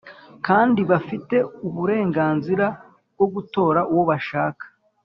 Kandi bafite uburenganzira bwo gutora uwo bashakka